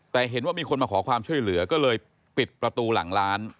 แต่เห็นว่ามีคนมาขอความช่วยเหลือก็เลยปิดประตูหลังร้าน